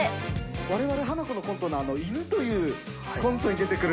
われわれ、ハナコのコントの犬というコントに出てくる。